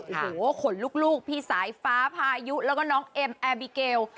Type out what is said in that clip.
โอ้โหขนลูกพี่สายฟ้าพายุแล้วก็น้องเอ็มแอร์บิเกล